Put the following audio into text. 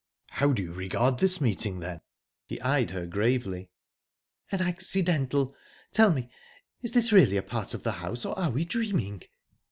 "How do you regard this meeting, then?" He eyed her gravely. "As accidental...Tell me is this really a part of the house, or are we dreaming?"